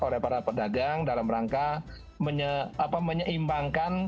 oleh para pedagang dalam rangka menyeimbangkan